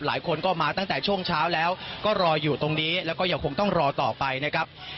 หลายคนก็มาตั้งแต่ช่วงเช้าแล้วก็รออยู่ตรงนี้แล้วก็ยังคงต้องรอต่อไปนะครับ